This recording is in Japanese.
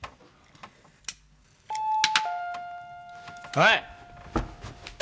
はい！